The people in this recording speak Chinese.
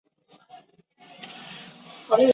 嗣后各省官电归邮传部。